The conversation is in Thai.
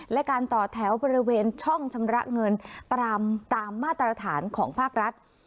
และการต่อแถวบริเวณช่องชำระเงินตามมาตรฐานของภาครัฐ